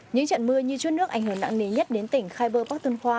những trận mưa như chuốt nước ảnh hưởng nặng nề nhất đến tỉnh khyber pakhtunkhwa